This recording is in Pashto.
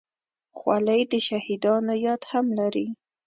خولۍ د شهیدانو یاد هم لري.